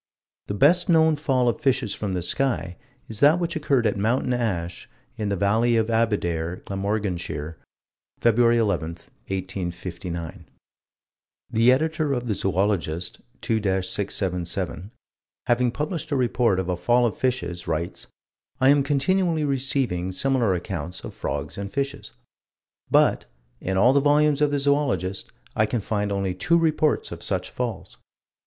The best known fall of fishes from the sky is that which occurred at Mountain Ash, in the Valley of Abedare, Glamorganshire, Feb. 11, 1859. The Editor of the Zoologist, 2 677, having published a report of a fall of fishes, writes: "I am continually receiving similar accounts of frogs and fishes." But, in all the volumes of the Zoologist, I can find only two reports of such falls.